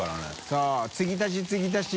そう継ぎ足し継ぎ足し。